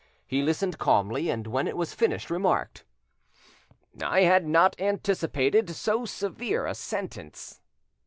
He listened calmly, and when it was finished, remarked: "I had not anticipated so severe a sentence."